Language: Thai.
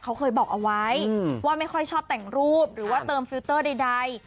เขาเคยบอกเอาไว้ว่าไม่ค่อยชอบแต่งรูปหรือว่าเติมฟิลเตอร์ใด